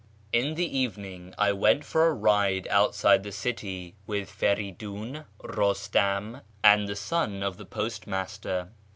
In the evening I went for a ride outside the city with Feridun, Eustam, and the son of the postmaster.